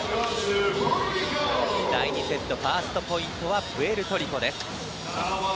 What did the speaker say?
第２セットファーストポイントはプエルトリコです。